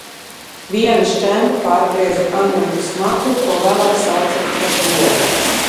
Viena šķemba pārgrieza Anūta smakru, ko vēlāk sauca par zodu.